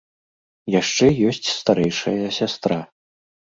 Яшчэ ёсць старэйшая сястра.